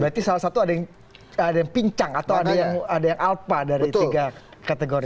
berarti salah satu ada yang pincang atau ada yang alpha dari tiga kategori